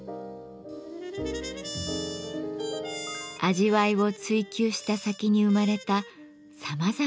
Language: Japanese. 味わいを追求した先に生まれたさまざまな色。